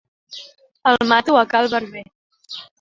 El mato a cal barber.